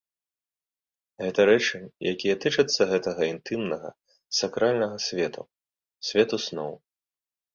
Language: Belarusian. Гэта рэчы, якія тычацца гэтага інтымнага, сакральнага свету, свету сноў.